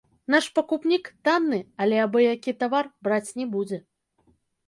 Наш пакупнік танны, але абы-які тавар браць не будзе.